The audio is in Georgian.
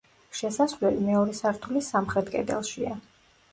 შესასვლელი მეორე სართულის სამხრეთ კედელშია.